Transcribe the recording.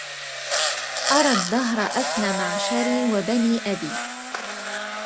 أرى الدهر أفنى معشري وبني أبي